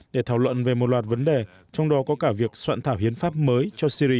để thảo luận về một loạt vấn đề trong đó có cả việc soạn thảo hiến pháp mới cho syri